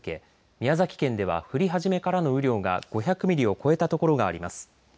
宮崎県では降り始めからの雨量が５００ミリを超えたところがあります。